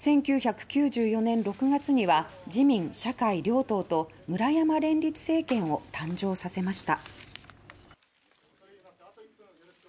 １９９４年６月には自民、社会両党と村山連立政権を誕生させました。